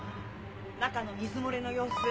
中の水漏れの様子。